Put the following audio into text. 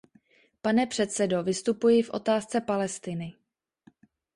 Pane předsedo, vystupuji v otázce Palestiny.